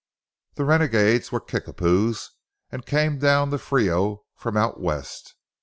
The renegades were Kickapoos and came down the Frio from out west.